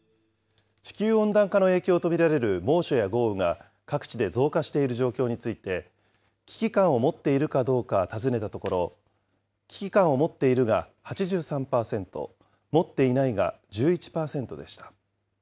地球温暖化の影響と見られる猛暑や豪雨が、各地で増加している状況について、危機感を持っているかどうか尋ねたところ、危機感を持っているが８３％、持っていないが１１％でした。